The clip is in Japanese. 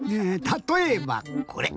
たとえばこれ！